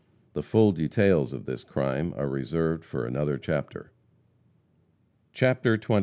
The full details of this crime are reserved for another chapter. CHAPTER XXVI.